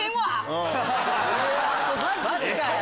マジかよ！